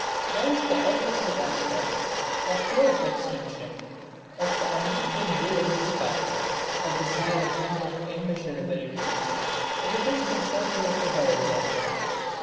There is the opposite aspect of pure extension, of the unwinking blue of the sky, of the silent hint of immeasureability in the distant circle of the horizon.